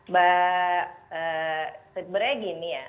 mbak sebenarnya gini ya